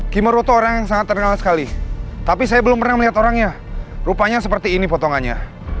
kimoroto orang yang sangat terkenal sekali tapi saya belum pernah melihat orangnya rupanya seperti ini potongannya